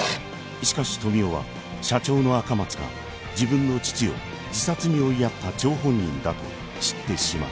［しかし富生は社長の赤松が自分の父を自殺に追いやった張本人だと知ってしまう］